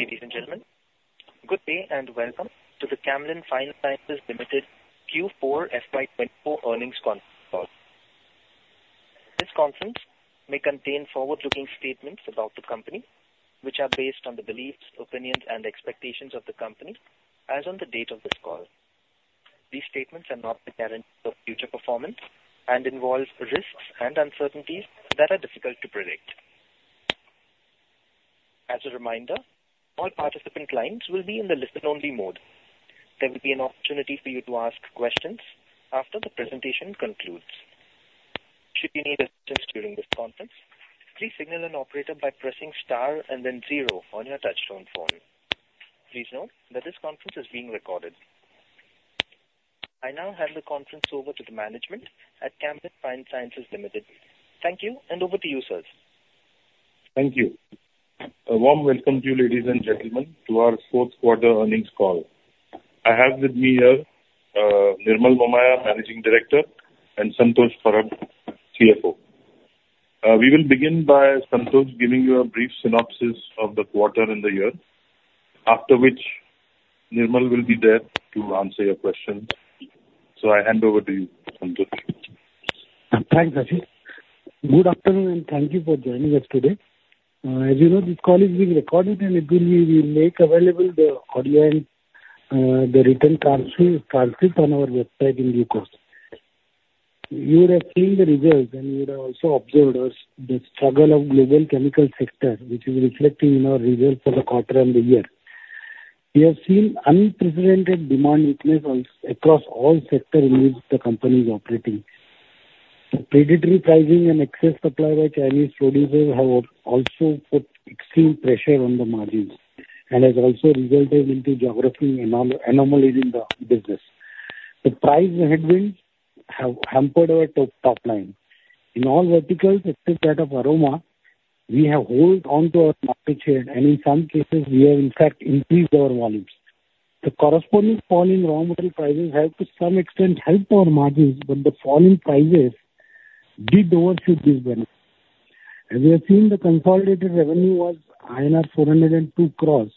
Ladies and gentlemen, good day and welcome to the Camlin Fine Sciences Limited Q4 FY24 earnings conference call. This conference may contain forward-looking statements about the company, which are based on the beliefs, opinions, and expectations of the company as on the date of this call. These statements are not a guarantee of future performance and involve risks and uncertainties that are difficult to predict. As a reminder, all participant lines will be in the listen-only mode. There will be an opportunity for you to ask questions after the presentation concludes. Should you need assistance during this conference, please signal an operator by pressing Star and then zero on your touchtone phone. Please note that this conference is being recorded. I now hand the conference over to the management at Camlin Fine Sciences Limited. Thank you, and over to you, sir. Thank you. A warm welcome to you, ladies and gentlemen, to our fourth quarter earnings call. I have with me here, Nirmal Momaya, Managing Director, and Santosh Parab, CFO. We will begin by Santosh giving you a brief synopsis of the quarter and the year, after which Nirmal will be there to answer your questions. I hand over to you, Santosh. Thanks, Ashish. Good afternoon, and thank you for joining us today. As you know, this call is being recorded, and we make available the audio and the written transcript on our website in due course. You would have seen the results, and you would have also observed the struggle of global chemical sector, which is reflecting in our results for the quarter and the year. We have seen unprecedented demand weakness across all sector in which the company is operating. Predatory pricing and excess supply by Chinese producers have also put extreme pressure on the margins and has also resulted into geographic anomalies in the business. The price headwinds have hampered our top line. In all verticals, except that of Aroma, we have hold on to our market share, and in some cases, we have, in fact, increased our volumes. The corresponding fall in raw material prices have, to some extent, helped our margins, but the falling prices did overshoot this benefit. As you have seen, the consolidated revenue was INR 402 crore,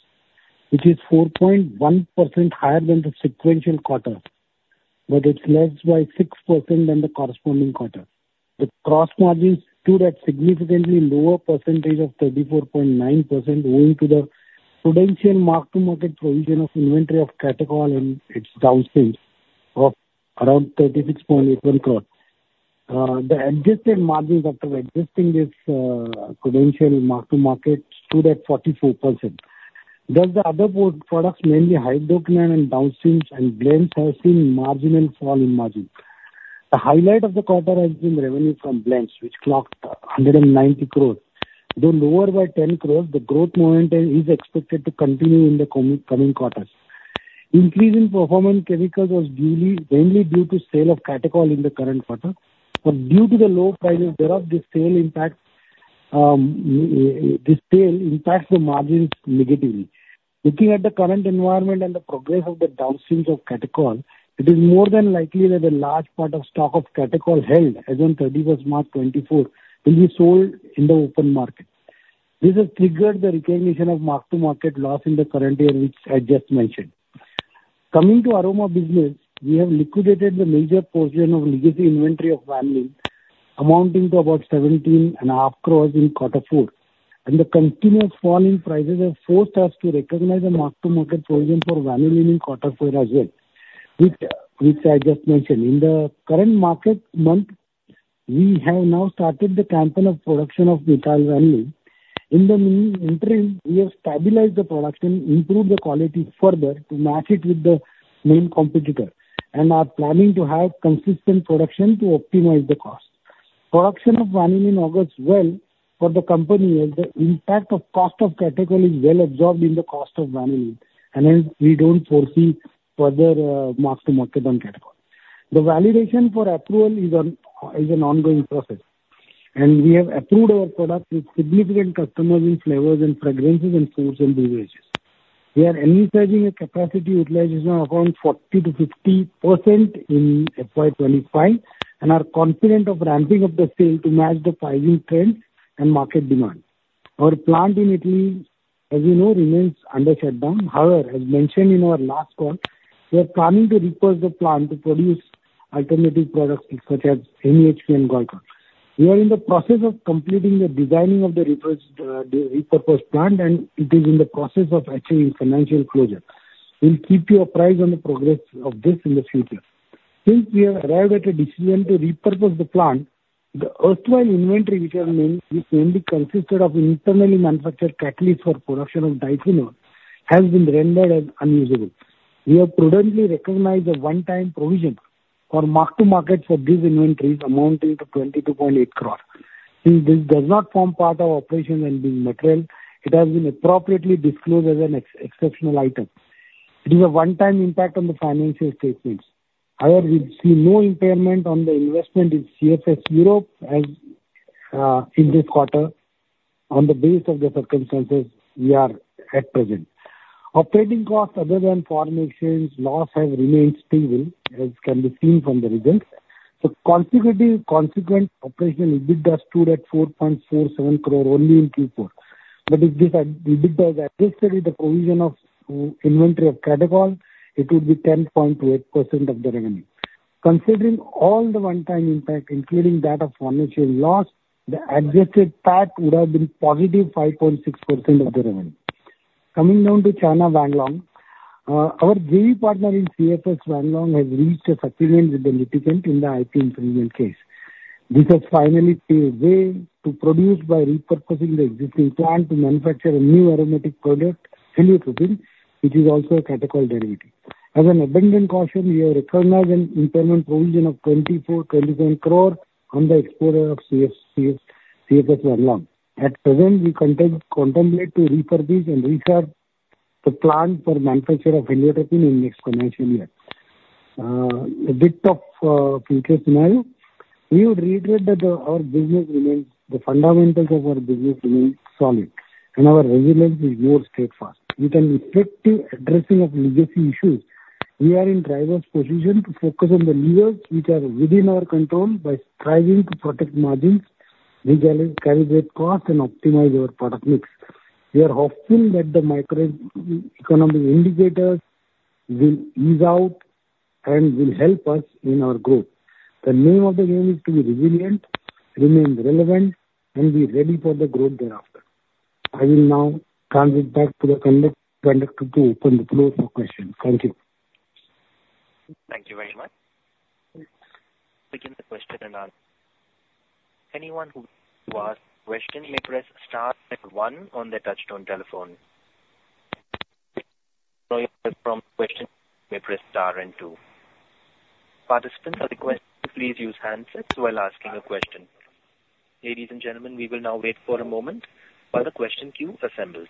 which is 4.1% higher than the sequential quarter, but it's less by 6% than the corresponding quarter. The gross margins stood at significantly lower percentage of 34.9%, owing to the prudential mark-to-market provision of inventory of catechol and its downstreams of around 36.81 crore. The adjusted margins after adjusting this prudential mark-to-market stood at 44%. Thus, the other broad products, mainly hydroquinone and downstreams and Blends, have seen marginal fall in margins. The highlight of the quarter has been revenue from blends, which clocked 190 crores. Though lower by 10 crores, the growth momentum is expected to continue in the coming quarters. Increase in performance chemicals was due mainly to sale of catechol in the current quarter, but due to the low prices thereof, the sale impact, this sale impacts the margins negatively. Looking at the current environment and the progress of the downstreams of catechol, it is more than likely that a large part of stock of catechol held as on 31 March 2024, will be sold in the open market. This has triggered the recognition of mark-to-market loss in the current year, which I just mentioned. Coming to Aroma business, we have liquidated the major portion of legacy inventory of vanillin, amounting to about 17.5 crore in quarter four, and the continuous falling prices have forced us to recognize the mark-to-market provision for vanillin in quarter four as well, which I just mentioned. In the current current month, we have now started the campaign of production of methyl vanillin. In the meantime, we have stabilized the production, improved the quality further to match it with the main competitor, and are planning to have consistent production to optimize the cost. Production of vanillin in August went well for the company, as the impact of cost of catechol is well absorbed in the cost of vanillin, and hence we don't foresee further mark-to-market on catechol. The validation for approval is an ongoing process, and we have approved our product with significant customers in flavors and fragrances and foods and beverages. We are envisaging a capacity utilization around 40%-50% in FY25 and are confident of ramping up the sale to match the pricing trends and market demand. Our plant in Italy, as you know, remains under shutdown. However, as mentioned in our last call, we are planning to repurpose the plant to produce alternative products such as MEHQ and guaiacol. We are in the process of completing the designing of the repurpose, the repurposed plant, and it is in the process of achieving financial closure. We'll keep you apprised on the progress of this in the future. Since we have arrived at a decision to repurpose the plant, the erstwhile inventory, which mainly consisted of internally manufactured catalyst for production of diphenol has been rendered as unusable. We have prudently recognized a one-time provision for mark-to-market for these inventories, amounting to 22.8 crore. Since this does not form part of operations and being material, it has been appropriately disclosed as an exceptional item. It is a one-time impact on the financial statements. However, we see no impairment on the investment in CFS Europe in this quarter on the basis of the circumstances we are at present. Operating costs other than foreign exchange loss have remained stable, as can be seen from the results. So consequent operational EBITDA stood at 4.47 crore only in Q4. But if this EBITDA is adjusted the provision of inventory of catechol, it would be 10.8% of the revenue. Considering all the one-time impact, including that of foreign exchange loss, the adjusted PAT would have been positive 5.6% of the revenue. Coming down to CFS Wanglong. Our JV partner in CFS Wanglong has reached a settlement with the litigant in the IP infringement case. This has finally paved way to produce by repurposing the existing plant to manufacture a new aromatic product, heliotropin, which is also a catechol derivative. As an abundant caution, we have recognized an impairment provision of 24-25 crore on the exposure of CFS Wanglong. At present, we contemplate to refurbish and recharge the plant for manufacture of heliotropin in next financial year. A bit of future scenario, we would reiterate that our business remains, the fundamentals of our business remain solid, and our resilience is more steadfast. With an effective addressing of legacy issues, we are in driver's position to focus on the levers which are within our control by striving to protect margins, regularly calibrate costs and optimize our product mix. We are hoping that the microeconomic indicators will ease out and will help us in our growth. The name of the game is to be resilient, remain relevant, and be ready for the growth thereafter. I will now transfer back to the conductor to open the floor for questions. Thank you. Thank you very much. Begin the question and answer. Anyone who wants to ask question may press star then one on their touchtone telephone. From question may press star and two. Participants are requested to please use handsets while asking a question. Ladies and gentlemen, we will now wait for a moment while the question queue assembles.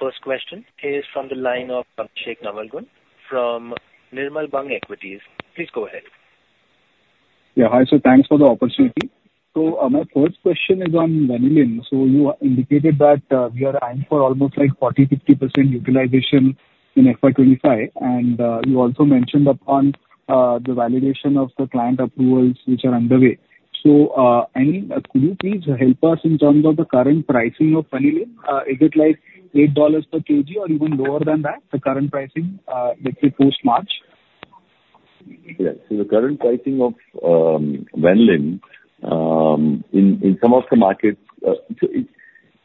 The first question is from the line of Abhishek Navalgund from Nirmal Bang Equities. Please go ahead. Yeah. Hi, sir. Thanks for the opportunity. So, my first question is on vanillin. So you indicated that we are eyeing for almost like 40%-50% utilization in FY25, and you also mentioned upon the validation of the client approvals which are underway. So, I mean, could you please help us in terms of the current pricing of vanillin? Is it like $8 per kg or even lower than that, the current pricing, let's say, post-March? Yeah. So the current pricing of vanillin in some of the markets, so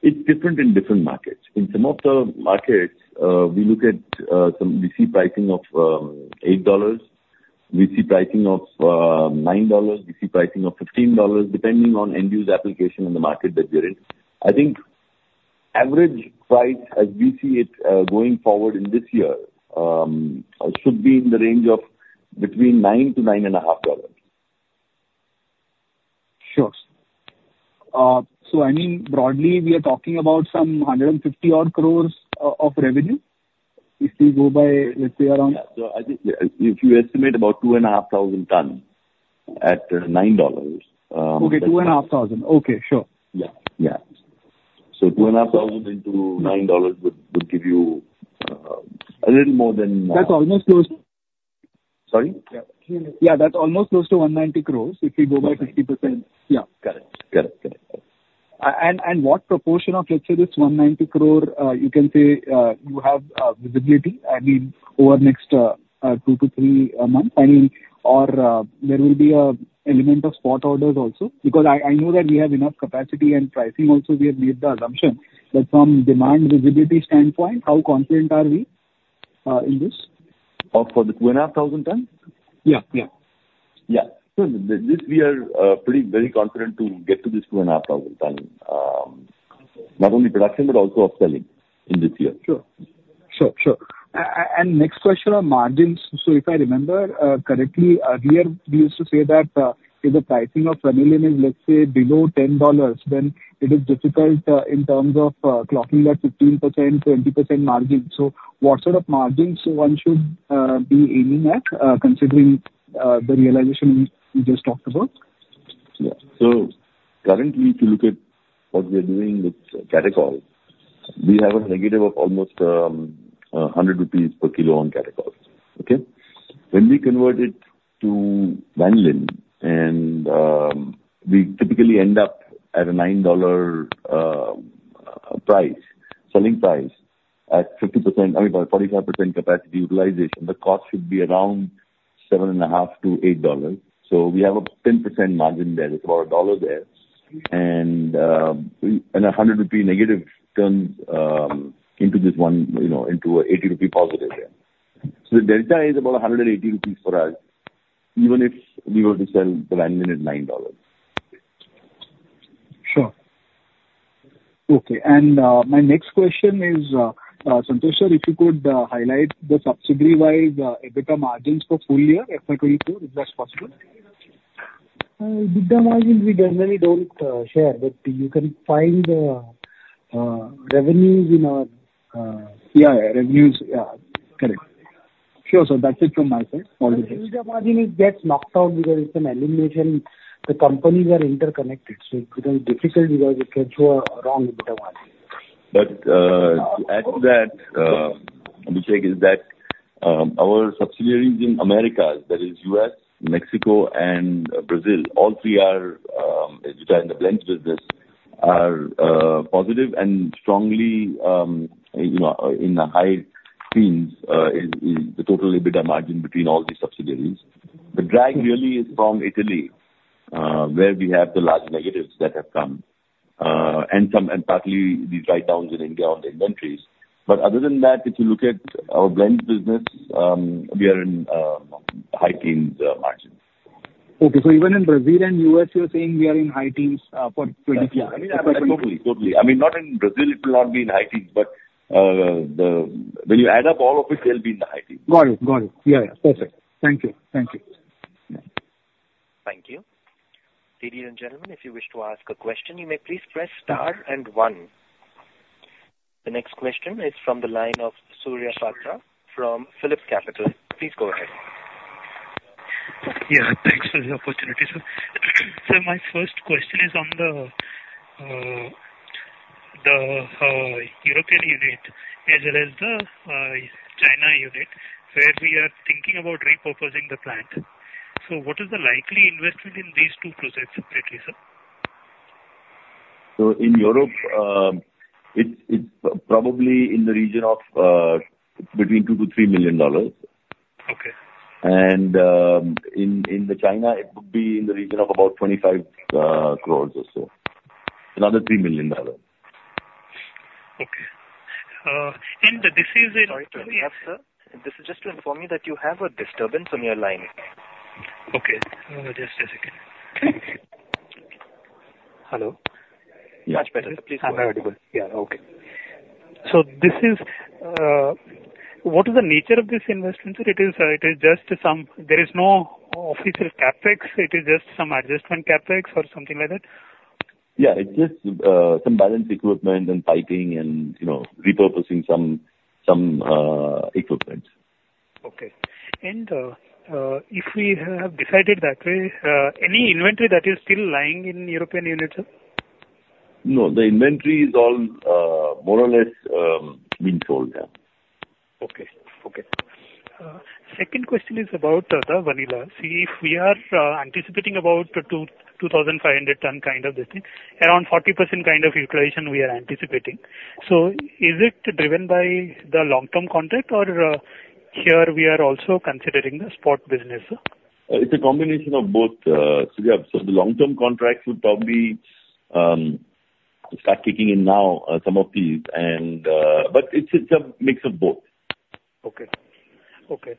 it's different in different markets. In some of the markets we look at, some we see pricing of $8, we see pricing of $9, we see pricing of $15, depending on end use application in the market that we're in. I think average price, as we see it, going forward in this year, should be in the range of between $9-$9.5. Sure. So I mean, broadly, we are talking about some 150 crore of revenue if we go by, let's say, around- Yeah. So I think if you estimate about 2,500 tons at $9. Okay, 2,500. Okay, sure. Yeah. Yeah. So 2,500 into $9 would give you a little more than- That's almost close. Sorry? Yeah. Yeah, that's almost close to 190 crores if you go by 50%. Yeah. Correct. Correct. Correct. And what proportion of, let's say, this 190 crore, you can say, you have visibility? I mean, over the next two to three months, I mean, or there will be an element of spot orders also. Because I know that we have enough capacity and pricing also, we have made the assumption, but from demand visibility standpoint, how confident are we in this? For the 2,500 tons? Yeah. Yeah. Yeah. So this we are, pretty very confident to get to this 2,500 tons. Not only production, but also of selling in this year. Sure. Sure, sure. Next question on margins. So if I remember correctly, earlier, we used to say that if the pricing of vanillin is, let's say, below $10, then it is difficult in terms of clocking that 15%-20% margin. So what sort of margins one should be aiming at, considering the realization we just talked about? Yeah. So currently, if you look at what we are doing with catechol, we have a negative of almost 100 rupees per kilo on catechol. Okay? When we convert it to vanillin and we typically end up at a $9 price, selling price, at 50%, I mean, 45% capacity utilization, the cost should be around $7.5-$8. So we have a 10% margin there. It's about a $1 there. And and a 100 rupee negative turns into this one. You know, into a 80 rupee positive there. So the delta is about 180 rupees for us, even if we were to sell the vanillin at $9. Sure. Okay, and, my next question is, Santosh Sir, if you could, highlight the subsidy-wise, EBITDA margins for full year, FY24, if that's possible? EBITDA margin, we generally don't, share, but you can find the, revenues in our, Yeah, revenues. Yeah. Correct. Sure, sir. That's it from my side. All the best. EBITDA margin, it gets knocked out because it's an elimination. The companies are interconnected, so it becomes difficult because it can show a wrong EBITDA margin. But, to add to that, Abhishek, is that our subsidiaries in America, that is U.S., Mexico, and Brazil, all three are, which are in the blends business, are positive and strongly, you know, in the high teens in the total EBITDA margin between all the subsidiaries. The drag really is from Italy, where we have the large negatives that have come, and partly these write-downs in India on the inventories. But other than that, if you look at our blends business, we are in high teens margins. Okay. So even in Brazil and U.S., you're saying we are in high teens, for twenty- Yeah. I mean, totally, totally. I mean, not in Brazil, it will not be in high teens, but, When you add up all of it, they'll be in the high teens. Got it. Got it. Yeah, yeah. Perfect. Thank you. Thank you. Thank you. Ladies and gentlemen, if you wish to ask a question, you may please press star and one. The next question is from the line of Surya Patra from PhillipCapital. Please go ahead. Yeah, thanks for the opportunity, sir. So my first question is on the European unit as well as the China unit, where we are thinking about repurposing the plant. So what is the likely investment in these two projects separately, sir? So in Europe, it's probably in the region of between $2-$3 million. Okay. In China, it would be in the region of about 25 crores or so. Another $3 million. Okay. And this is in- Sorry to interrupt, sir. This is just to inform you that you have a disturbance on your line. Okay. Just a second. Hello? Much better. Please go ahead. Yeah. Okay. So this is what is the nature of this investment, sir? There is no official CapEx. It is just some adjustment CapEx or something like that? Yeah, it's just some balance equipment and piping and, you know, repurposing some equipment. Okay. And if we have decided that way, any inventory that is still lying in European unit, sir? No, the inventory is all, more or less, been sold out. Okay. Okay. Second question is about the vanillin. See, if we are anticipating about 2,250 ton kind of this thing, around 40% kind of utilization we are anticipating. So is it driven by the long-term contract or here we are also considering the spot business, sir? It's a combination of both, Surya. So the long-term contracts will probably start kicking in now, some of these, and... But it's, it's a mix of both. Okay. Okay.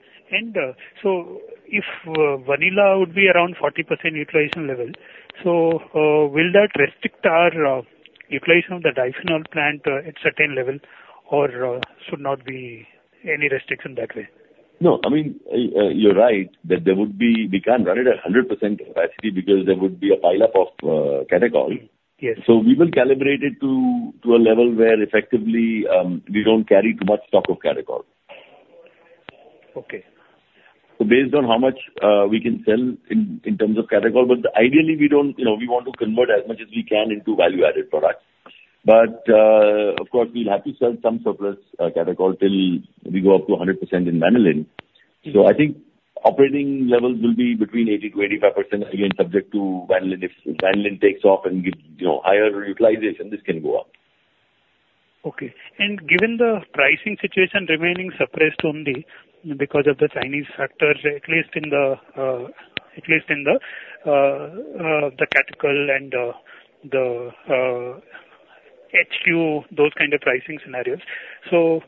So if vanillin would be around 40% utilization level, so will that restrict our utilization of the diphenol plant at certain level, or should not be any restriction that way? No, I mean, you're right, that there would be. We can't run it at 100% capacity because there would be a pileup of catechol. Yes. We will calibrate it to a level where effectively, we don't carry too much stock of catechol. Okay. So based on how much we can sell in terms of catechol, but ideally, we don't, you know, we want to convert as much as we can into value-added products. But, of course, we'll have to sell some surplus catechol till we go up to 100% in vanillin. Mm-hmm. So, I think operating levels will be between 80%-85%, again, subject to vanillin. If vanillin takes off and gives, you know, higher utilization, this can go up. Okay. And given the pricing situation remaining suppressed only because of the Chinese factors, at least in the catechol and the HQ, those kind of pricing scenarios. So,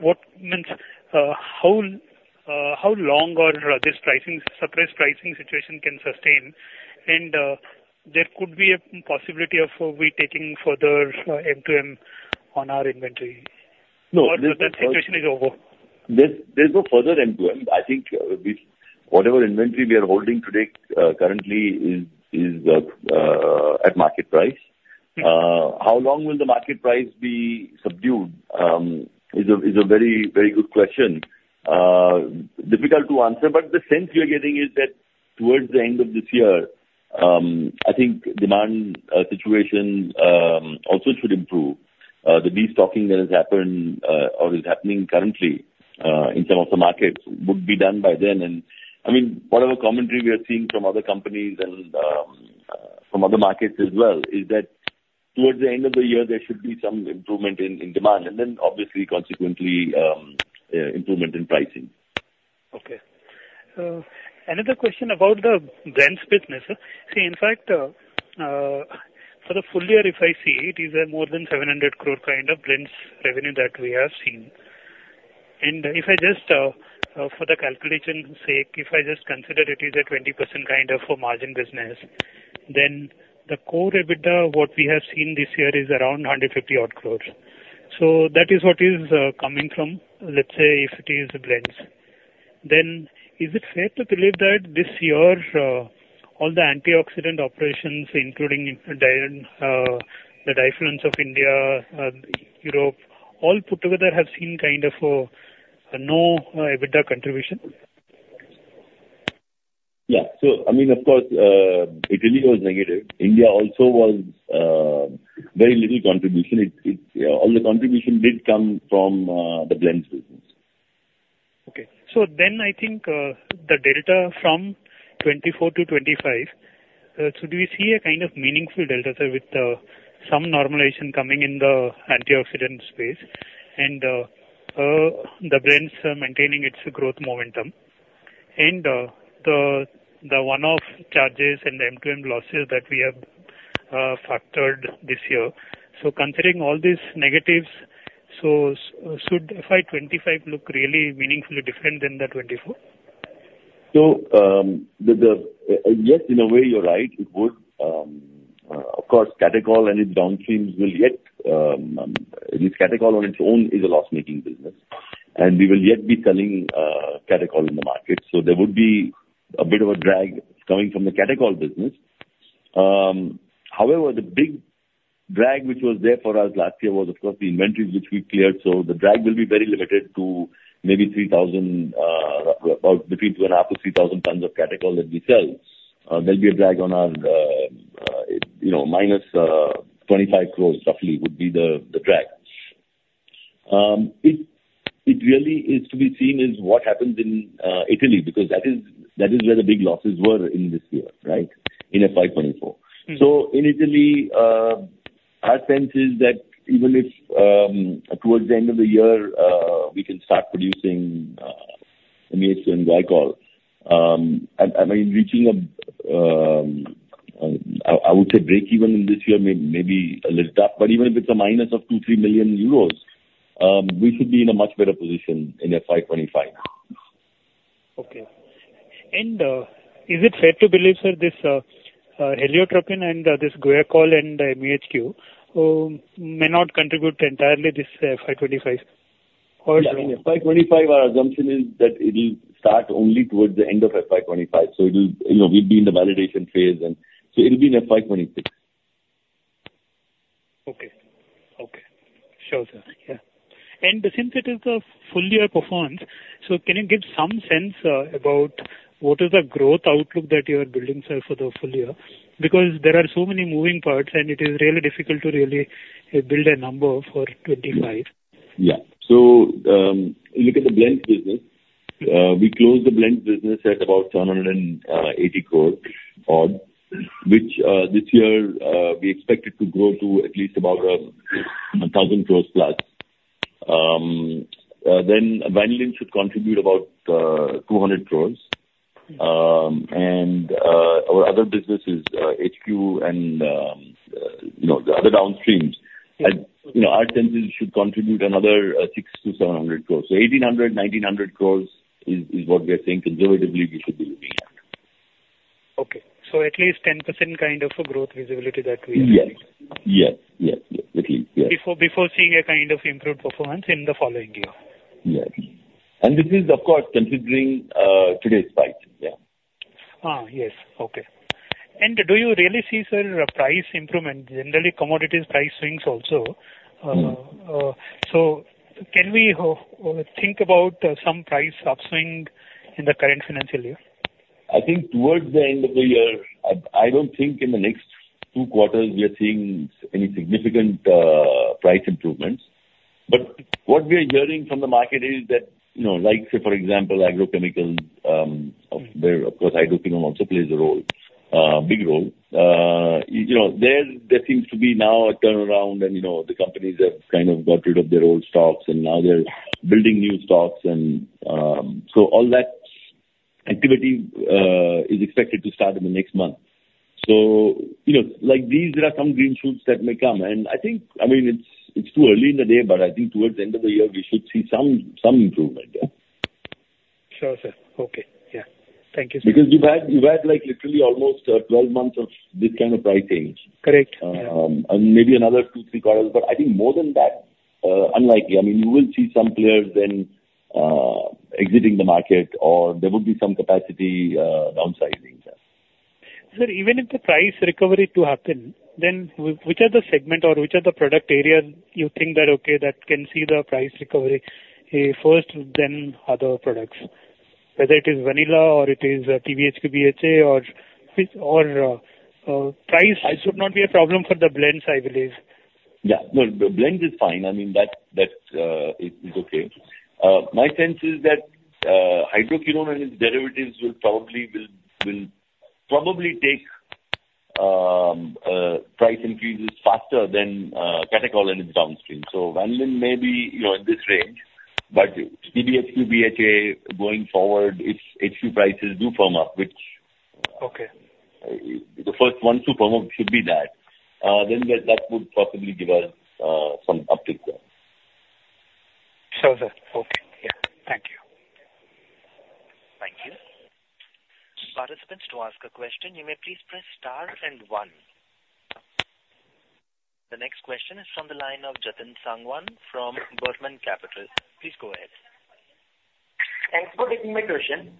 what means, how long this suppressed pricing situation can sustain? And, there could be a possibility of we taking further M-to-M on our inventory. No, there's- Or that situation is over? There's no further M-to-M. I think this, whatever inventory we are holding today, currently is at market price. Mm-hmm. How long will the market price be subdued is a very, very good question. Difficult to answer, but the sense we are getting is that towards the end of this year, I think demand situation also should improve. The destocking that has happened or is happening currently in some of the markets would be done by then. And I mean, whatever commentary we are seeing from other companies and from other markets as well is that towards the end of the year, there should be some improvement in demand, and then obviously, consequently, improvement in pricing. Okay. Another question about the blends business, sir. See, in fact, for the full year, if I see, it is a more than 700 crore kind of blends revenue that we are seeing. And if I just, for the calculation sake, if I just consider it is a 20% kind of a margin business, then the core EBITDA, what we have seen this year, is around 150 odd crore.... So that is what is coming from, let's say, if it is the blends. Then is it fair to believe that this year, all the antioxidant operations, including the diphenols of India, Europe, all put together, have seen kind of a no EBITDA contribution? Yeah. So I mean, of course, Italy was negative. India also was very little contribution. It all the contribution did come from the blends business. Okay. So then I think, the delta from 24-25, so do we see a kind of meaningful delta, sir, with some normalization coming in the antioxidant space, and the blends maintaining its growth momentum and the one-off charges and the M&A losses that we have factored this year. So considering all these negatives, so should FY 25 look really meaningfully different than the 24? So, yes, in a way you're right, it would. Of course, catechol and its downstreams will yet, this catechol on its own is a loss-making business, and we will yet be selling catechol in the market, so there would be a bit of a drag coming from the catechol business. However, the big drag which was there for us last year was, of course, the inventories which we cleared. So the drag will be very limited to maybe 3,000, about between 2.5-3,000 tons of catechol that we sell. There'll be a drag on our, you know, -25 crores roughly would be the drag. It really is to be seen as what happens in Italy, because that is where the big losses were in this year, right? In FY 2024. Mm-hmm. So in Italy, our sense is that even if, towards the end of the year, we can start producing MEHQ and guaiacol. And, I mean, reaching a breakeven in this year may be a little tough, but even if it's a minus of two-three million EUR, we should be in a much better position in FY25. Okay. And, is it fair to believe, sir, this Heliotropin and this guaiacol and the MEHQ may not contribute entirely this FY25 or- Yeah. FY25, our assumption is that it'll start only towards the end of FY25. So it'll, you know, we'll be in the validation phase, and so it'll be in FY26. Okay. Okay. Sure, sir. Yeah. And since it is a full year performance, so can you give some sense about what is the growth outlook that you are building, sir, for the full year? Because there are so many moving parts, and it is really difficult to really build a number for 25. Yeah. So, look at the blends business. We closed the blends business at about 780 crore odd, which, this year, we expect it to grow to at least about 1,000 crore plus. Then vanillin should contribute about 200 crore. And, our other businesses, HQ and, you know, the other downstreams, and, you know, our sense is should contribute another 600-700 crore. So 1,800-1,900 crore is, is what we are saying conservatively we should be making. Okay. At least 10% kind of a growth visibility that we are seeing. Yes. Yes, yes, yes. At least, yes. Before seeing a kind of improved performance in the following year. Yes. This is, of course, considering today's price. Yeah. Ah, yes. Okay. Do you really see, sir, a price improvement? Generally, commodities price swings also. Mm-hmm. So, can we think about some price upswing in the current financial year? I think towards the end of the year... I don't think in the next two quarters we are seeing any significant price improvements. But what we are hearing from the market is that, you know, like, say, for example, agrochemicals of where, of course, hydroquinone also plays a role a big role. You know, there seems to be now a turnaround, and, you know, the companies have kind of got rid of their old stocks, and now they're building new stocks, and so all that activity is expected to start in the next month. So, you know, like these are some green shoots that may come, and I think, I mean, it's too early in the day, but I think towards the end of the year, we should see some improvement there. Sure, sir. Okay. Yeah. Thank you, sir. Because you've had, like, literally almost 12 months of this kind of price change. Correct. Yeah. And maybe another two, three quarters, but I think more than that, unlikely. I mean, you will see some players then, exiting the market or there would be some capacity, downsizing then. Sir, even if the price recovery to happen, then which are the segment or which are the product areas you think that, okay, that can see the price recovery, first, then other products? Whether it is vanillin or it is TBHQ, BHA or, price should not be a problem for the blends, I believe. Yeah. No, the blends is fine. I mean, that is okay. My sense is that hydroquinone and its derivatives will probably take price increases faster than catechol and its downstream. So vanillin maybe, you know, at this range, but TBHQ, BHA, going forward, if HQ prices do firm up, which- Okay. The first one to firm up should be that, then that, that would possibly give us some uptick there. Sure, sir. Okay.... participants to ask a question, you may please press star and one. The next question is from the line of Jatin Sangwan from Burman Capital. Please go ahead. Thanks for taking my question.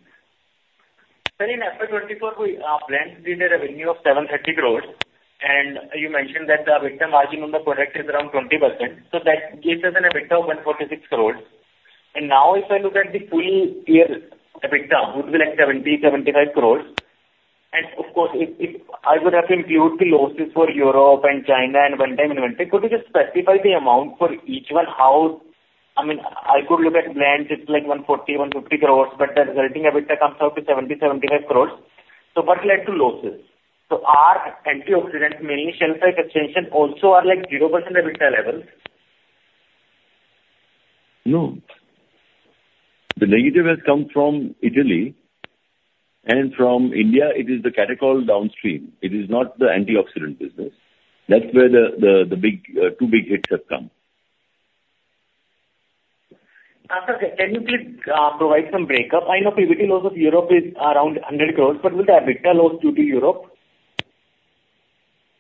Sir, in FY24, we planned to do a revenue of 730 crores, and you mentioned that the EBITDA margin on the product is around 20%, so that gives us an EBITDA of 146 crores. And now if I look at the full year, EBITDA would be like 70-75 crores. And of course, if I would have to include the losses for Europe and China and one-time inventory, could you just specify the amount for each one? I mean, I could look at blends, it's like 140-150 crores, but the resulting EBITDA comes out to 70-75 crores. So what led to losses? So are antioxidant, meaning shelf life extension, also like 0% EBITDA levels? No. The negative has come from Italy, and from India it is the catechol downstream. It is not the antioxidant business. That's where the two big hits have come. Sir, can you please provide some breakup? I know pre-EBITDA loss of Europe is around 100 crore, but with the EBITDA loss due to Europe.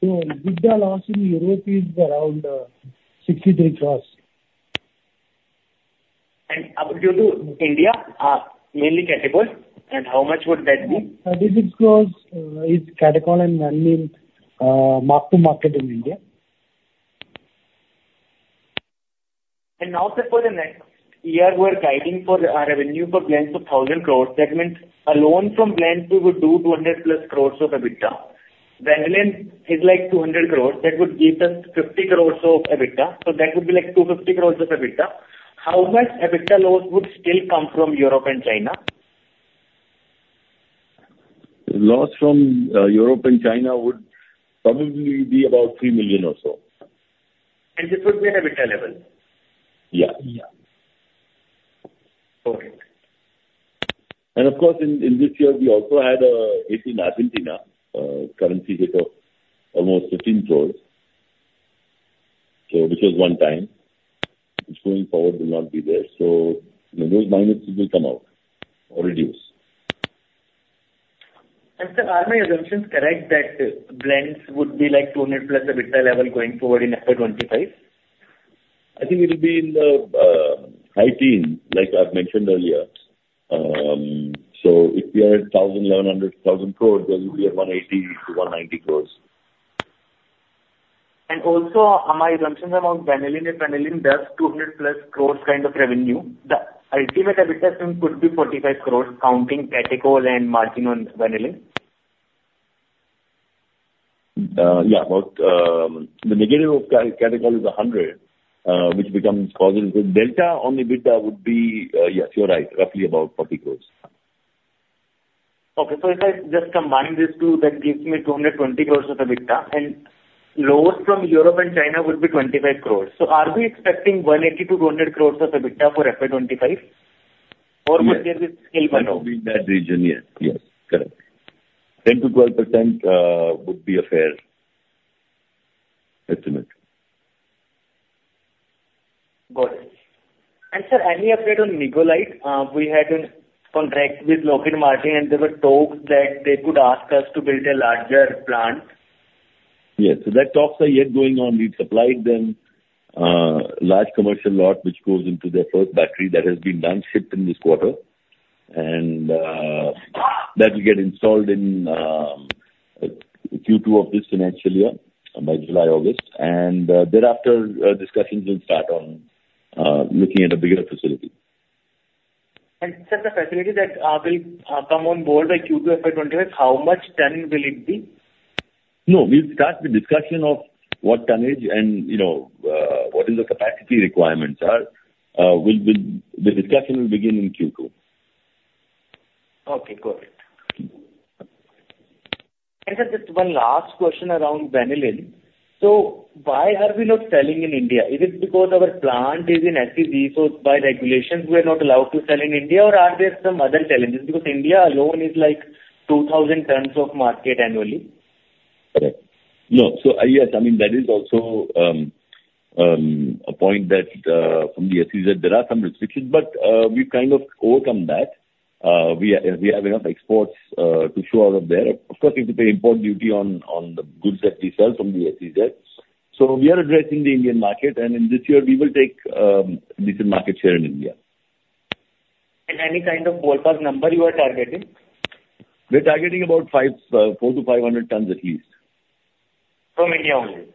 EBITDA loss in Europe is around 63 crore. And up to due to India, mainly catechol, and how much would that be? This is because it's catechol and mainly mark-to-market in India. And now, sir, for the next year, we're guiding for a revenue for blends of 1,000 crores. That means alone from blends we would do 200+ crores of EBITDA. Vanillin is like 200 crores. That would give us 50 crores of EBITDA, so that would be like 250 crores of EBITDA. How much EBITDA loss would still come from Europe and China? Loss from Europe and China would probably be about three million or so. This would be at EBITDA level? Yeah. Yeah. Okay. Of course, in this year, we also had a hit in Argentina, currency hit of almost INR 15 crore. So this was one time, which going forward will not be there. So those minuses will come out or reduce. Sir, are my assumptions correct that blends would be like 200+ EBITDA level going forward in FY25? I think it'll be in the high teens, like I've mentioned earlier. So if we are at 1,000 crores-1,100 crores, then we'll be at 180 crores-190 crores. Also, are my assumptions around vanillin, if vanillin does 200+ crores kind of revenue, the EBITDA could be 45 crores, counting catechol and margin on vanillin? Yeah. About, the negative of catechol is 100, which becomes positive. So delta on EBITDA would be, yes, you're right, roughly about 40 crore. Okay. So if I just combine these two, that gives me 220 crore of EBITDA, and loss from Europe and China would be 25 crore. So are we expecting 180-200 crore of EBITDA for FY25? Yes. Or would there be still one-off? It would be in that region. Yes. Yes. Correct. 10%-12% would be a fair estimate. Got it. And, sir, any update on electrolyte? We had a contract with Lockheed Martin, and there were talks that they could ask us to build a larger plant. Yes. So that talks are yet going on. We've supplied them large commercial lot, which goes into their first battery. That has been done, shipped in this quarter. That will get installed in Q2 of this financial year, by July, August. Thereafter, discussions will start on looking at a bigger facility. And, sir, the facility that will come on board by Q2 FY25, how much ton will it be? No, we'll start the discussion of what tonnage and, you know, what is the capacity requirements are, will be... The discussion will begin in Q2. Okay, got it. And, sir, just one last question around vanillin. So why are we not selling in India? Is it because our plant is in SEZ, so by regulations we are not allowed to sell in India, or are there some other challenges? Because India alone is like 2,000 tons of market annually. Correct. No. So, yes, I mean, that is also a point that from the SEZ there are some restrictions, but we've kind of overcome that. We have enough exports to show out of there. Of course, we have to pay import duty on the goods that we sell from the SEZ. So we are addressing the Indian market, and in this year we will take decent market share in India. Any kind of ballpark number you are targeting? We're targeting about 400-500 tons at least. From India only?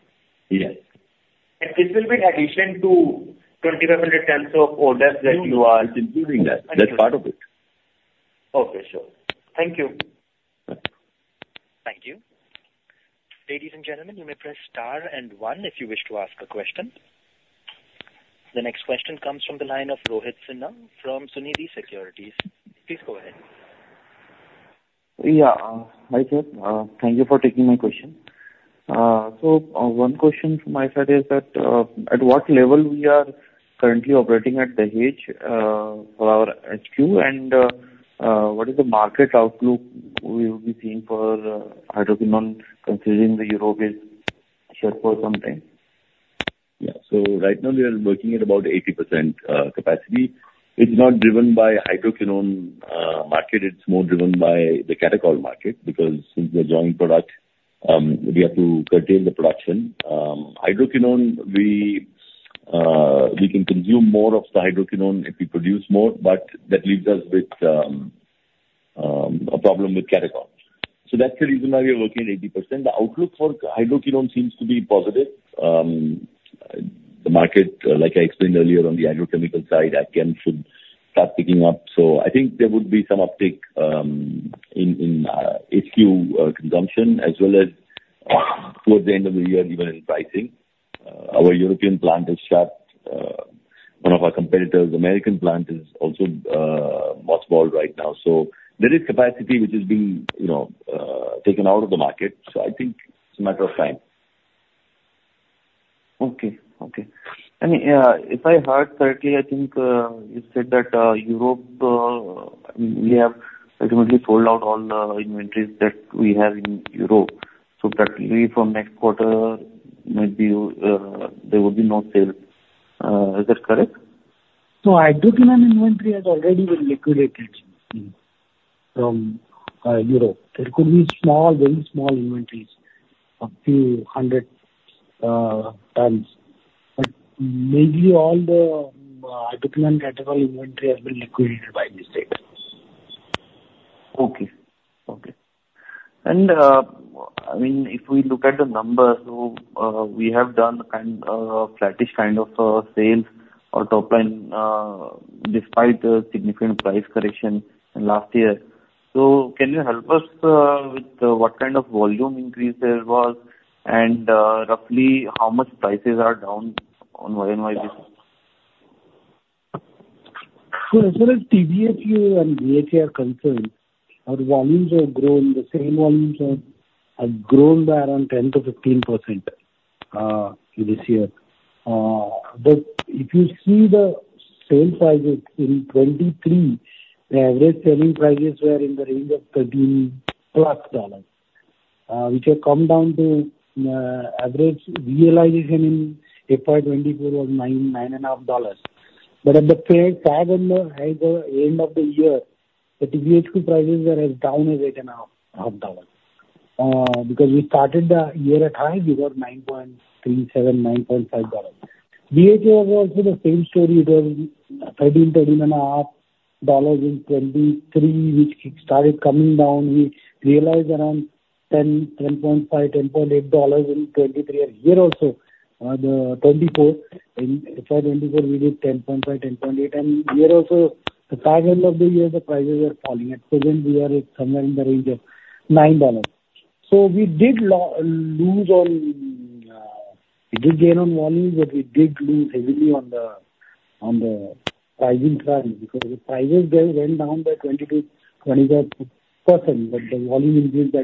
Yes. This will be in addition to 2,500 tons of orders that you are- It's including that. Including. That's part of it. Okay, sure. Thank you. Thank you. Ladies and gentlemen, you may press star and one if you wish to ask a question. The next question comes from the line of Rohit Sinha from Sunidhi Securities. Please go ahead. Yeah. Hi, sir. Thank you for taking my question. So, one question from my side is that, at what level we are currently operating at Dahej for our HQ? And what is the market outlook we will be seeing for hydroquinone, considering the Europe is shut for some time?... Yeah. So right now we are working at about 80% capacity. It's not driven by hydroquinone market, it's more driven by the catechol market because since the joint product, we have to contain the production. hydroquinone, we, we can consume more of the hydroquinone if we produce more, but that leaves us with a problem with catechol. So that's the reason why we are working at 80%. The outlook for hydroquinone seems to be positive. The market, like I explained earlier on the agrochemical side, again, should start picking up. So I think there would be some uptick in HQ consumption as well as towards the end of the year, even in pricing. Our European plant has shut. One of our competitors, American plant, is also much more right now. So there is capacity which is being, you know, taken out of the market, so I think it's a matter of time. Okay. Okay. And, if I heard correctly, I think, you said that, Europe, we have ultimately sold out all the inventories that we have in Europe. So practically from next quarter, maybe, there would be no sales. Is that correct? No, hydroquinone inventory has already been liquidated from Europe. There could be small, very small inventories, up to 100 tons. But mainly all the hydroquinone category inventory has been liquidated by this date. Okay. I mean, if we look at the numbers, so we have done kind of flattish sales or top-line, despite the significant price correction in last year. So can you help us with what kind of volume increase there was? And roughly how much prices are down on Y and Y basis? So as far as TBHQ and BHT are concerned, our volumes have grown. The same volumes have grown by around 10%-15%, this year. But if you see the sales prices in 2023, the average selling prices were in the range of $13+, which have come down to, average realization in FY24 was $9-$9.5. But at the tail end of the year, the TBHQ prices were as down as $8.5. Because we started the year at high, we were $9.37-$9.5. BHT was also the same story, it was $13-$13.5 in 2023, which it started coming down. We realized around $10-$10.8 in 2023. And here also, in FY 2024, we did 10.5, 10.8, and here also, the tail end of the year, the prices were falling. At present, we are at somewhere in the range of $9. So we did lose on, we did gain on volumes, but we did lose heavily on the, on the pricing front, because the prices there went down by 20%-25%, but the volume increased by 10%.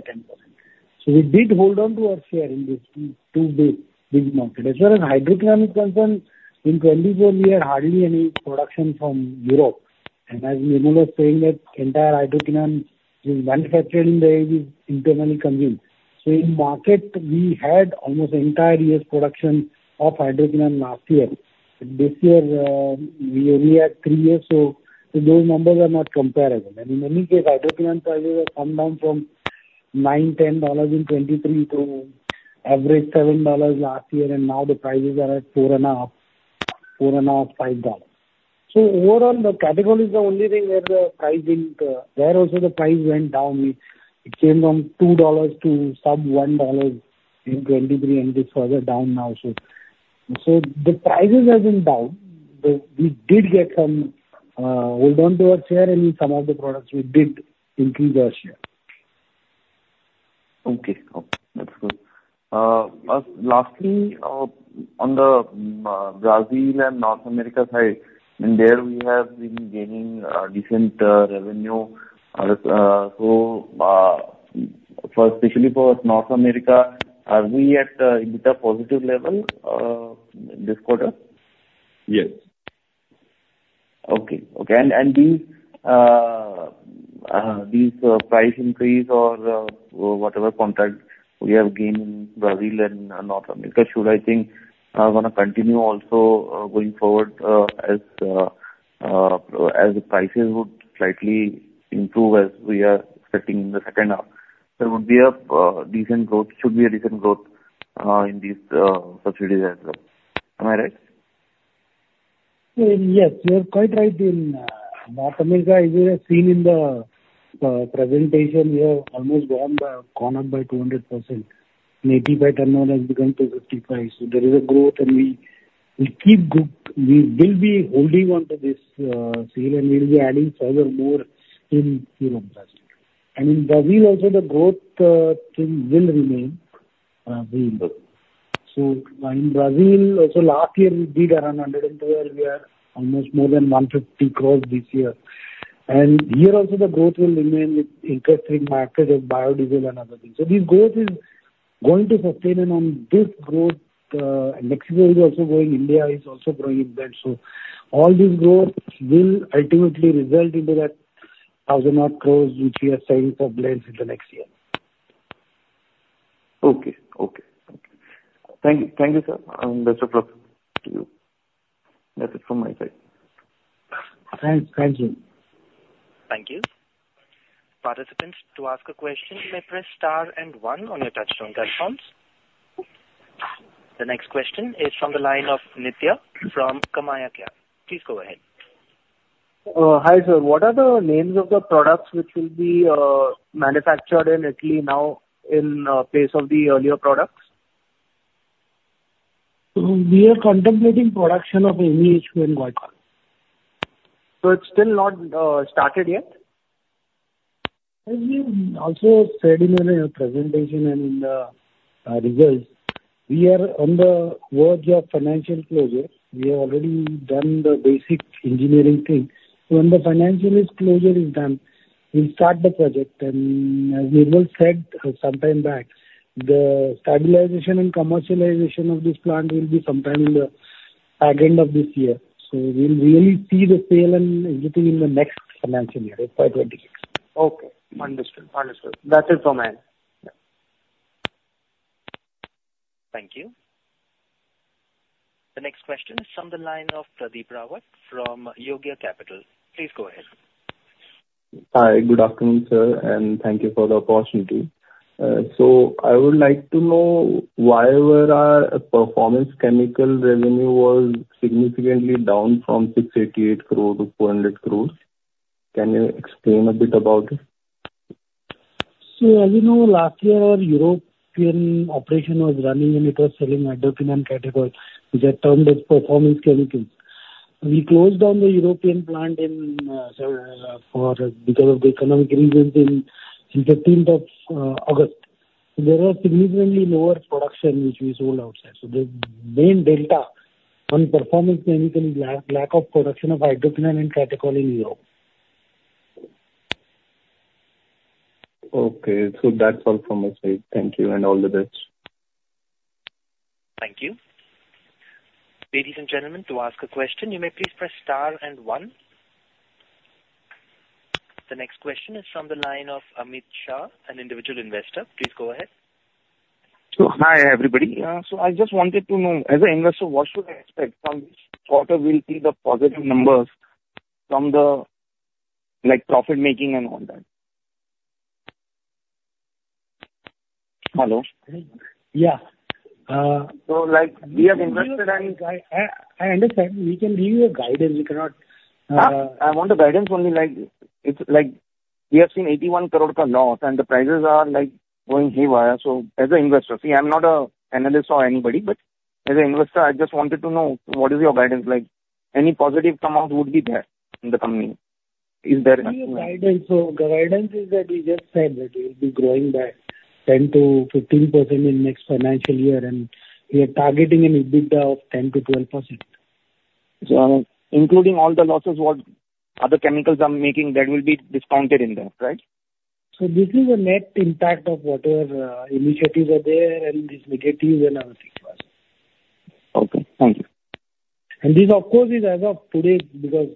So we did hold on to our share in these two, two big, big markets. As far as hydroquinone is concerned, in 2024 we had hardly any production from Europe. And as Nirmal was saying, that entire hydroquinone is manufactured in there, is internally consumed. So in market, we had almost the entire year's production of hydroquinone last year. This year, we only had 3 years, so those numbers are not comparable. And in any case, hydroquinone prices have come down from $9-$10 in 2023 to average $7 last year, and now the prices are at $4.5, $4.5-$5. So overall, the catechol is the only thing where the pricing, where also the price went down. It came from $2 to sub-$1 in 2023, and this further down now. So the prices have been down, but we did get some hold on to our share, and in some of the products we did increase our share. Okay. Okay, that's good. Lastly, on the Brazil and North America side, and there we have been gaining decent revenue. And so, for especially for North America, are we at EBITDA positive level this quarter? Yes. Okay. Okay. And these price increase or whatever contract we have gained in Brazil and North America, should I think gonna continue also going forward, as the prices would slightly improve as we are expecting in the second half, there would be a decent growth, should be a decent growth, in these subsidiaries as well. Am I right? Yes, you are quite right. In North America, as you have seen in the presentation, we have almost grown the turnover by 200%. Maybe by turnover has grown to 55 crores. So there is a growth, and we keep good... We will be holding on to this sale, and we'll be adding further more in Brazil. And in Brazil also the growth theme will remain viable. So in Brazil, also last year we did around 102 crores, and we are almost more than 150 crores this year. And here also the growth will remain with interesting markets of biodiesel and other things. So this growth is going to sustain, and on this growth, Mexico is also growing, India is also growing with that. All this growth will ultimately result into 1,000-odd crore, which we are saying for blends in the next year.... Okay, okay, okay. Thank you. Thank you, sir. Best of luck to you. That's it from my side. Thank you. Thank you. Participants, to ask a question, you may press star and one on your touchtone keypads. The next question is from the line of Nitya from KamayaKya. Please go ahead. Hi, sir. What are the names of the products which will be manufactured in Italy now in place of the earlier products? We are contemplating production of MEHQ in guaiacol. It's still not started yet? As we also said in our presentation and in the results, we are on the verge of financial closure. We have already done the basic engineering thing. So when the financial closure is done, we'll start the project. And as Nirmal said some time back, the stabilization and commercialization of this plant will be sometime in the back end of this year. So we'll really see the sale and everything in the next financial year, in 2026. Okay, understood. Understood. That's it from me. Thank you. The next question is from the line of Pradeep Rawat from Yogya Capital. Please go ahead. Hi, good afternoon, sir, and thank you for the opportunity. I would like to know why were our Performance Chemicals revenue was significantly down from 688 crore to 400 crore. Can you explain a bit about it? So as you know, last year our European operation was running, and it was selling hydroquinone category, which are termed as performance chemicals. We closed down the European plant in for because of the economic reasons in the tenth of August. There was significantly lower production, which we sold outside. So the main data on performance chemical is lack of production of hydroquinone category in Europe. Okay. So that's all from my side. Thank you, and all the best. Thank you. Ladies and gentlemen, to ask a question, you may please press star and one. The next question is from the line of Amit Chheda, an individual investor. Please go ahead. So hi, everybody. I just wanted to know, as an investor, what should I expect from this? What will be the positive numbers from the, like, profit making and all that? Hello? Yeah. Uh- Like, we are investors and- I understand. We can give you a guidance. We cannot, I want the guidance only, like, it's like we have seen 81 crore loss, and the prices are, like, going haywire. So as an investor, see, I'm not a analyst or anybody, but as an investor, I just wanted to know, what is your guidance like? Any positive come out would be there in the company. Is there any? Any guidance? So the guidance is that we just said that we will be growing by 10%-15% in next financial year, and we are targeting an EBITDA of 10%-12%. Including all the losses, what other chemicals are making that will be discounted in that, right? So this is a net impact of whatever, initiatives are there and these negatives and everything. Okay, thank you. This, of course, is as of today, because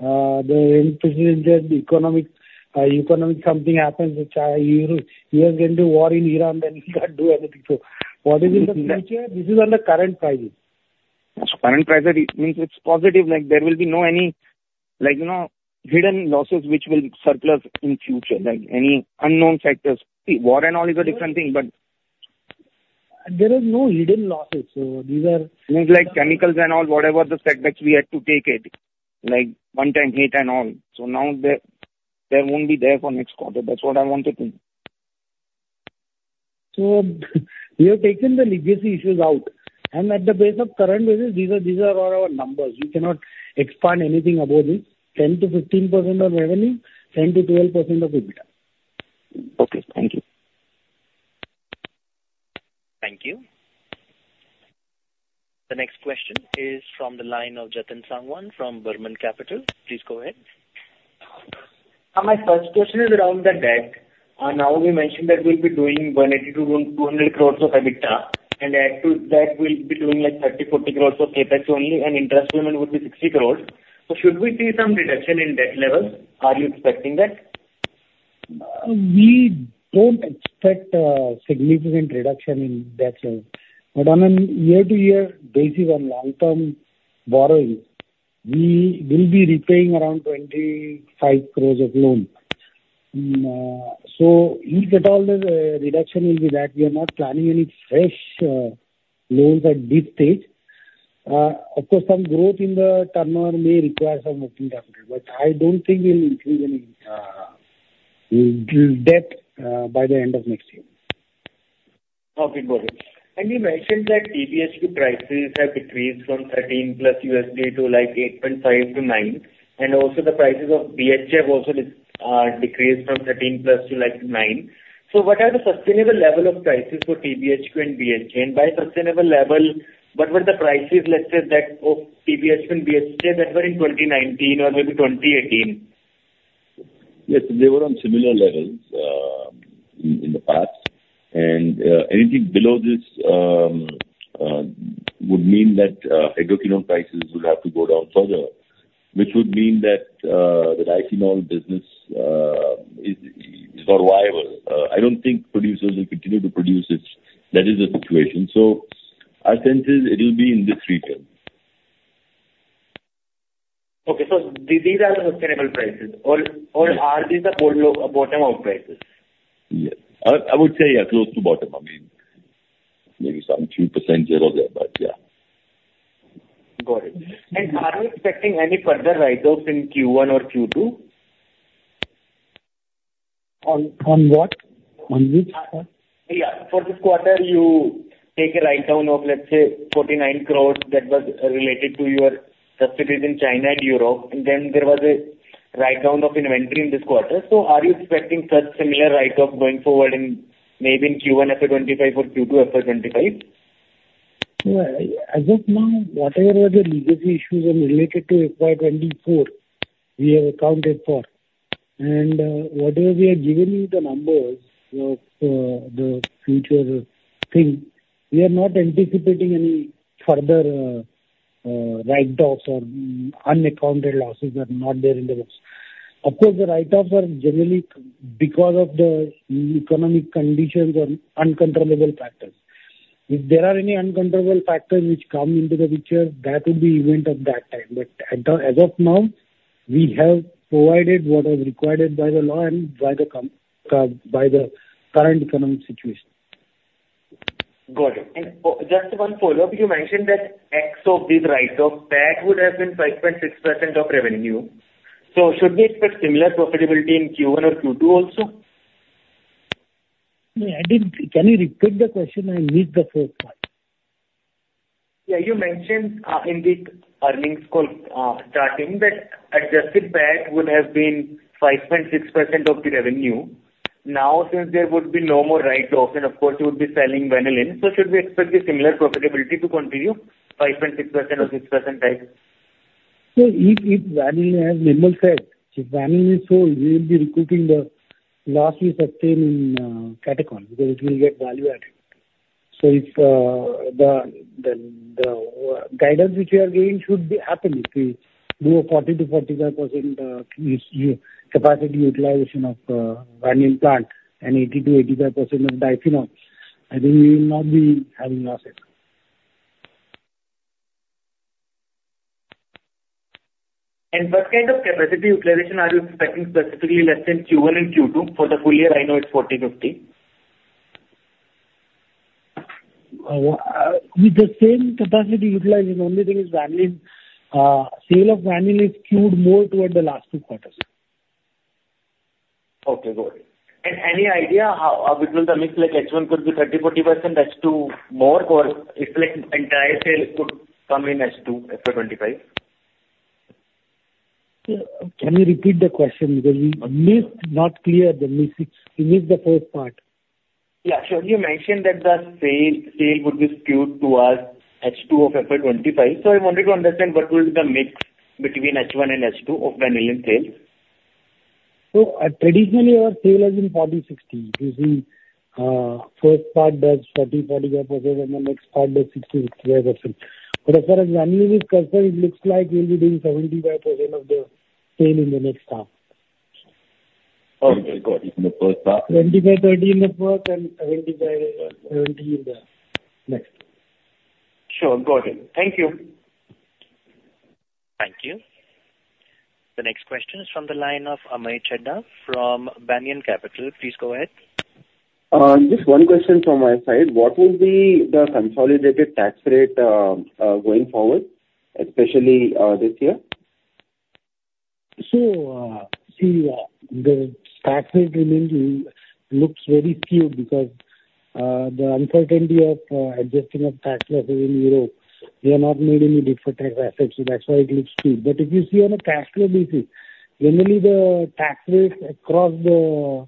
the president, the economic, economic something happens, which you are going to war in Iran, then you can't do anything. So what is in the future, this is on the current prices. Current prices, it means it's positive, like there will be no any, like, you know, hidden losses which will surface in future, like any unknown factors. See, war and all is a different thing, but- There is no hidden losses. So these are- Like chemicals and all, whatever the setbacks we had to take it, like one-time hit and all. So now they won't be there for next quarter. That's what I wanted to know. So we have taken the legacy issues out, and at the base of current basis, these are, these are all our numbers. We cannot expand anything above it. 10%-15% of revenue, 10%-12% of EBITDA. Okay, thank you. Thank you. The next question is from the line of Jatin Sangwan from Burman Capital. Please go ahead. My first question is around the debt. Now we mentioned that we'll be doing 180-200 crores of EBITDA, and add to that, we'll be doing, like, 30-40 crores of CapEx only, and interest payment would be 60 crores. So should we see some reduction in debt levels? Are you expecting that? We don't expect a significant reduction in debt level, but on a year-over-year basis, on long-term borrowing, we will be repaying around 25 crore of loan. So if at all the reduction will be that, we are not planning any fresh loans at this stage. Of course, some growth in the turnover may require some working capital, but I don't think we'll increase any debt by the end of next year. Okay, got it. And you mentioned that TBHQ prices have decreased from $13+ to like $8.5-$9, and also the prices of BHA have also decreased from $13+ to, like, $9. So what are the sustainable level of prices for TBHQ and BHA? And by sustainable level, what were the prices, let's say, that of TBHQ and BHA that were in 2019 or maybe 2018? Yes, they were on similar levels in the past, and anything below this would mean that hydroquinone prices would have to go down further, which would mean that the diphenol business is not viable. I don't think producers will continue to produce it. That is the situation. So our sense is it will be in this quarter. Okay. So these are the sustainable prices or are these the bottom of prices? Yes. I would say, yeah, close to bottom. I mean, maybe some few percent here or there, but yeah. Got it. And are you expecting any further write-offs in Q1 or Q2? On what? On which part? Yeah, for this quarter, you take a write-down of, let's say, 49 crores that was related to your subsidiaries in China and Europe, and then there was a write-down of inventory in this quarter. So are you expecting such similar write-off going forward in maybe in Q1 FY25 or Q2 FY25? Well, as of now, whatever the legacy issues are related to FY24, we have accounted for. And, whatever we have given you the numbers of, the future thing, we are not anticipating any further, write-offs or unaccounted losses are not there in the books. Of course, the write-offs are generally because of the economic conditions or uncontrollable factors. If there are any uncontrollable factors which come into the picture, that would be event at that time. But as of now, we have provided what is required by the law and by the current economic situation. Got it. Just one follow-up. You mentioned that X of these write-offs, that would have been 5.6% of revenue. So should we expect similar profitability in Q1 or Q2 also? No, I didn't... Can you repeat the question? I missed the first part. Yeah. You mentioned in the earnings call that adjusted PAT would have been 5.6% of the revenue. Now, since there would be no more write-offs and, of course, you would be selling vanillin, so should we expect the similar profitability to continue, 5.6% or 6% type? So if vanillin, as Nirmal said, if vanillin is sold, we will be recouping the loss we sustained in catechol, because it will get value added. So if the guidance which we are giving should be happy to do a 40%-45% capacity utilization of vanillin plant and 80%-85% of diphenol, I think we will not be having losses. What kind of capacity utilization are you expecting, specifically less than Q1 and Q2? For the full year, I know it's 40%-50%. With the same capacity utilization, only thing is vanillin, sale of vanillin is skewed more toward the last two quarters. Okay, got it. Any idea how, between the mix, like H1 could be 30%-40%, H2 more, or it's like entire sale could come in H2, FY25? Can you repeat the question because we missed, not clear, the message. We missed the first part. Yeah, sure. You mentioned that the sale, sale would be skewed towards H2 of FY25. So I wanted to understand what will be the mix between H1 and H2 of vanillin sales? So, traditionally, our sale has been 40-60. Usually, first part does 40%-45%, and the next part does 60%-65%. But as far as vanillin is concerned, it looks like we'll be doing 75% of the sale in the next half. Okay, got it. In the first part. 25-30 in the first and 75-70 in the next. Sure. Got it. Thank you. Thank you. The next question is from the line of Amit Chadha from Banyan Capital. Please go ahead. Just one question from my side. What will be the consolidated tax rate, going forward, especially, this year? So, see, the tax rate remains, looks very skewed because, the uncertainty of, adjusting of tax losses in Europe, we have not made any deferred tax assets, so that's why it looks skewed. But if you see on a tax rate basis, generally, the tax rate across the,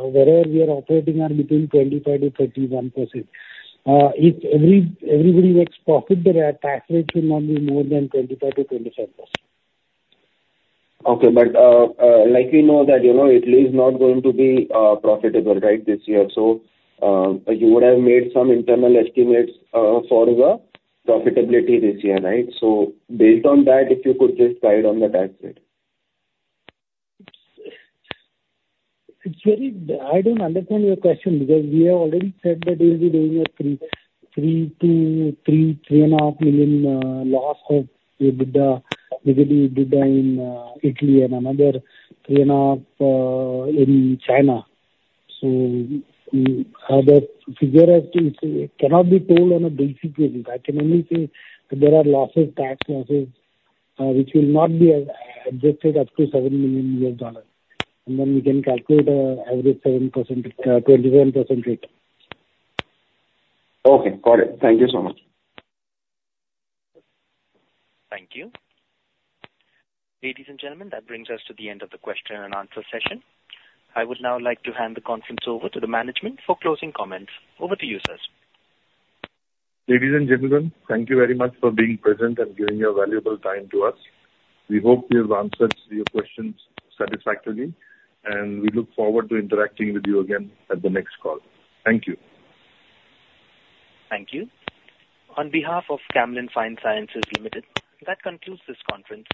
wherever we are operating are between 25%-31%. If everybody makes profit, the tax rate should not be more than 25%-27%. Okay. But, like, we know that, you know, Italy is not going to be profitable, right, this year. So, you would have made some internal estimates for the profitability this year, right? So based on that, if you could just guide on the tax rate. I don't understand your question because we have already said that we'll be doing a $3-$3.5 million loss of EBITDA, basically, EBITDA in Italy and another $3.5 million in China. So the figure as to... It cannot be told on a basic thing. I can only say there are losses, tax losses, which will not be adjusted up to $7 million, and then we can calculate an average 7%-21% rate. Okay, got it. Thank you so much. Thank you. Ladies and gentlemen, that brings us to the end of the question and answer session. I would now like to hand the conference over to the management for closing comments. Over to you, sirs. Ladies and gentlemen, thank you very much for being present and giving your valuable time to us. We hope we have answered your questions satisfactorily, and we look forward to interacting with you again at the next call. Thank you. Thank you. On behalf of Camlin Fine Sciences Limited, that concludes this conference.